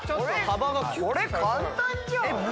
これ簡単じゃん。